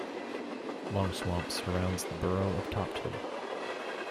Longswamp surrounds the borough of Topton.